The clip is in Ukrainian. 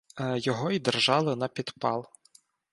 Його й держали на підпал.